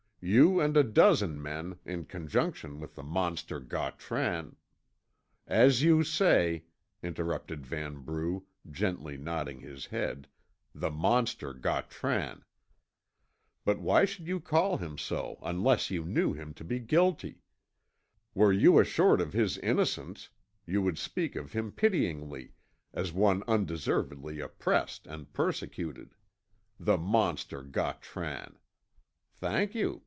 You and a dozen men, in conjunction with the monster Gautran " "As you say," interrupted Vanbrugh, gently nodding his head, "the monster Gautran. But why should you call him so unless you knew him to be guilty? Were you assured of his innocence, you would speak of him pityingly, as one undeservedly oppressed and persecuted. 'The monster Gautran!' Thank you.